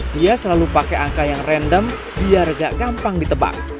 dia selalu pakai angka yang random biar gak gampang ditebak